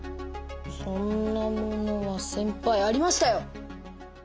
そんなものはせんぱいありましたよ！